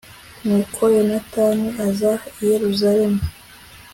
nuko yonatani aza i yeruzalemu